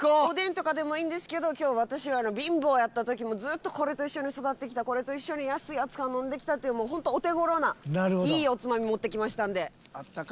おでんとかでもいいんですけど今日私は貧乏やった時もずっとこれと一緒に育ってきたこれと一緒に安い熱燗飲んできたっていうホントお手頃ないいおつまみ持ってきましたんで。